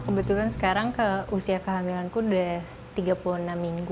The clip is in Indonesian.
kebetulan sekarang usia kehamilanku sudah tiga puluh enam minggu